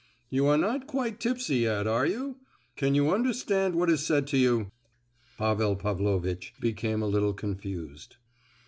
"You are not quite tipsy yet, are you? Can you understand what is said to you?" Paul Pavlovitch became a little confused.